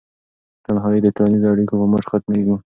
تنهایي د ټولنیزو اړیکو په مټ ختمیږي.